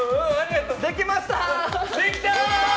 できました！